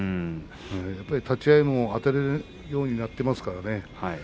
やっぱり立ち合いもあたることができるようになっていますからね。